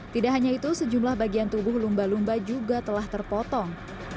tidak hanya itu sejumlah bagian tubuh lumba lumba juga telah terpotong